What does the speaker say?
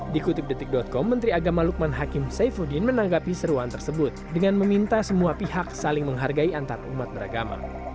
dikutip detik com menteri agama lukman hakim saifuddin menanggapi seruan tersebut dengan meminta semua pihak saling menghargai antarumat beragama